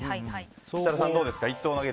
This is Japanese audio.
設楽さん、どうですか？